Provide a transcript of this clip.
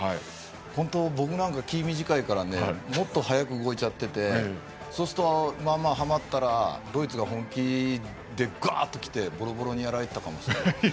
本当、僕なんか気が短いからもっと早く動いちゃっていてそうすると、まあまあはまったらドイツが本気でガーッと来てボロボロにやられてたかもしれない。